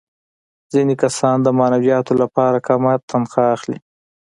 ځینې کسان د معنویاتو لپاره کمه تنخوا اخلي